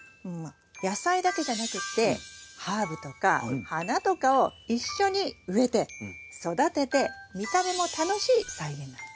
野菜だけじゃなくってハーブとか花とかを一緒に植えて育てて見た目も楽しい菜園なの。